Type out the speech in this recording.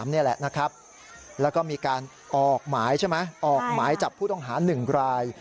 นี่แหละนะครับแล้วก็มีการออกหมายใช่ไหมออกหมายจับผู้ต้องหา๑ราย